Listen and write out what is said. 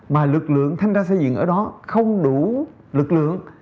mà lực lượng thanh tra xây dựng ở đó không đủ lực lượng